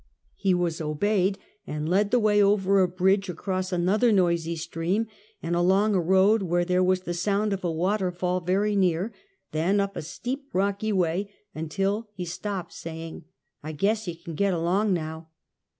He was obeyed, and led the way over a bridge across another noisy stream, and along a road where there was the sound of a waterfall very near, then up a steep, rocky way until he stopped, saying, " I guess you can get along now."